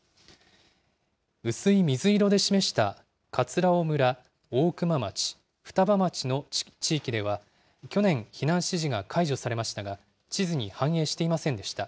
薄い水色で示した葛尾村、大熊町、双葉町の地域では去年、避難指示が解除されましたが、地図に反映していませんでした。